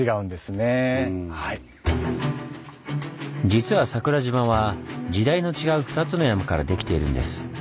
実は桜島は時代の違う２つの山からできているんです。